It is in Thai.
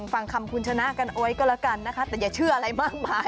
ฟังคำคุณชนะกันเอาไว้ก็แล้วกันนะคะแต่อย่าเชื่ออะไรมากมาย